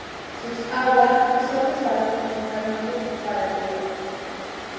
Sus aguas son usadas principalmente para riego.